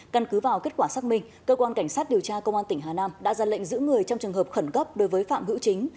căn cứ vào kết quả xác minh cơ quan cảnh sát điều tra công an tỉnh hà nam đã ra lệnh giữ người trong trường hợp khẩn cấp đối với phạm hữu chính